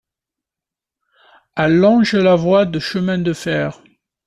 Elle longe la voie de chemin de Fer.